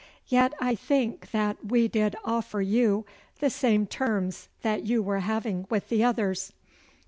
Yet, I think that we did offer you the same terms that you were having with the others.